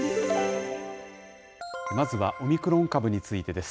まずはオミクロン株についてです。